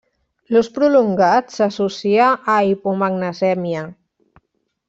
L'ús prolongat s'associa a hipomagnesèmia.